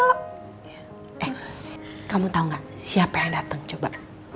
eh kamu tau gak siapa yang datang coba